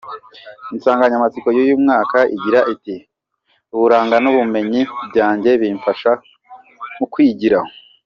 Insanganyamatsiko y’uyu mwaka igira iti : “Uburanga n’ubumenyi byanjye bimfasha mu kwigira”.